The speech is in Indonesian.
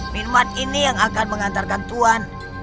minmat ini yang akan mengantarkan tuhan